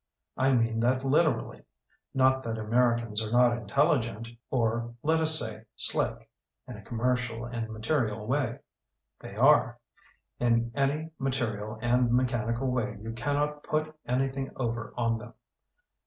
I mean that literally. Not that Americans are not intelligent, or let us say slick, in a commercial and ma terial way. They are. In any ma terial and mechanical way you cannot *put anything over on them'.